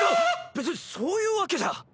別にそういうわけじゃ。